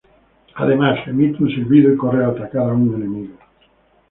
Además emite un silbido y corre a atacar a su enemigo.